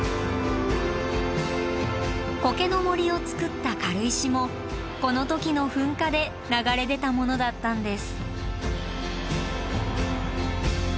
コケの森をつくった軽石もこの時の噴火で流れ出たものだったんです。